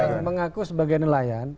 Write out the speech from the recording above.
yang mengaku sebagai nelayan